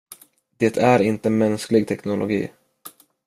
Det är inte mänsklig teknologi.